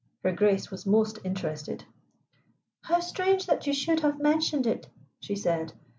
Her Grace was most interested. "How strange that you should have mentioned it," she said.